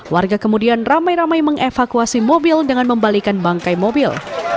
warga kemudian ramai ramai mengevakuasi mobil dengan membalikan bangkai mobil